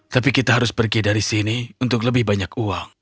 tapi kita harus pergi dari sini untuk lebih banyak uang